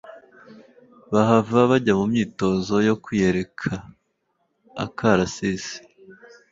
Bahava bajya mu myitozo yo kwiyereka (Akarasisi)